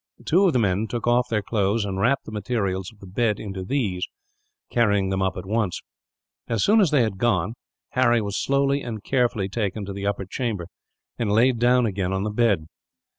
Two of the men took off their cloths, and wrapped the materials of the bed into these, carrying them up at once. As soon as they had gone on, Harry was slowly and carefully taken to the upper chamber, and laid down again on the bed.